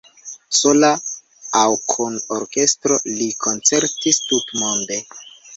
Sola aŭ kun orkestroj li koncertis tutmonde.